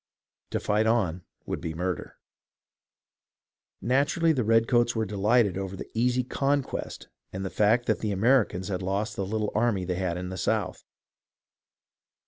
To fight on would be murder. Naturally, the redcoats were delighted over the easy conquest and the fact that the Americans had lost the little army they had in the South.